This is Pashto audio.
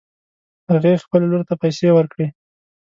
هغې خپلې لور ته پیسې ورکړې